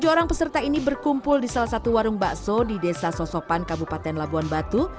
tujuh orang peserta ini berkumpul di salah satu warung bakso di desa sosokan kabupaten labuan batu